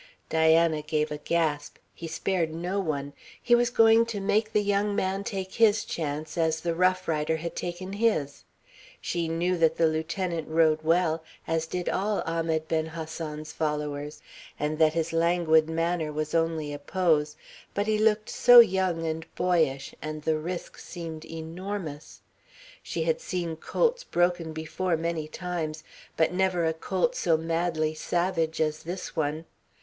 Diana gave a gasp. He spared no one. He was going to make the young man take his chance as the rough rider had taken his. She knew that the lieutenant rode well, as did all Ahmed Ben Hassan's followers, and that his languid manner was only a pose, but he looked so young and boyish, and the risk seemed enormous. She had seen colts broken before many times, but never a colt so madly savage as this one.